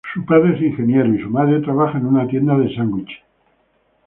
Su padre es un Ingeniero, y su madre trabaja en una tienda de sándwiches.